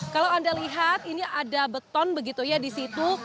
kalau anda lihat ini ada beton begitu ya di situ